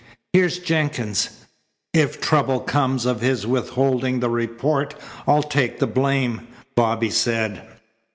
Here's Jenkins." "If trouble comes of his withholding the report I'll take the blame," Bobby said.